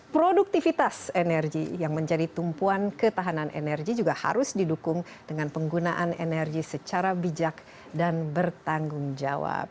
produktivitas energi yang menjadi tumpuan ketahanan energi juga harus didukung dengan penggunaan energi secara bijak dan bertanggung jawab